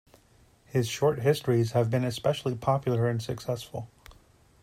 His short histories have been especially popular and successful.